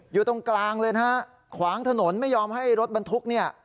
อยู่ตรงกลางเลยนะฮะขวางถนนไม่ยอมให้รถบรรทุกเนี่ย